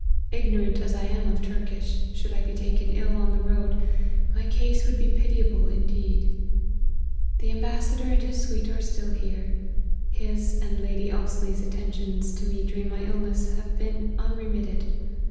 Ignorant as I am of Turkish, should I be taken ill on the road, my case would be pitiable indeed. The ambassador and his suite are still here ; his and Lady Ousely's attentions to me during my ill' ness have been unremitted.